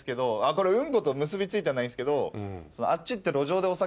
これウンコと結び付いてないですけど。